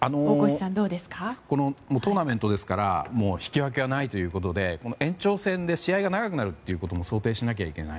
トーナメントですから引き分けはないということで延長戦で試合が長くなることも想定しなきゃいけない。